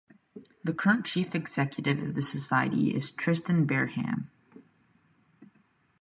The current chief executive of the society is Tristan Bareham.